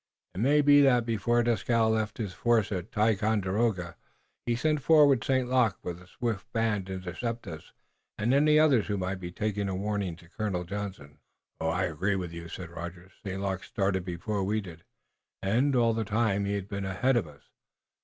It may be that before Dieskau left his force at Ticonderoga he sent forward St. Luc with a swift band to intercept us and any others who might take a warning to Colonel Johnson." "I agree with you," said Rogers. "St. Luc started before we did, and, all the time, has been ahead of us.